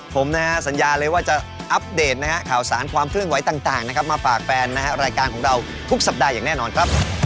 ผมนะฮะสัญญาเลยว่าจะอัปเดตนะฮะข่าวสารความเคลื่อนไหวต่างนะครับมาฝากแฟนนะฮะรายการของเราทุกสัปดาห์อย่างแน่นอนครับ